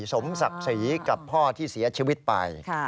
สมศักดิ์ศรีกับพ่อที่เสียชีวิตไป